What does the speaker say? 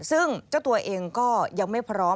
ซึ่งเจ้าตัวเองก็ยังไม่พร้อม